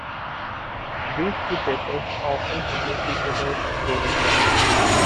These two papers often publish each other's stories.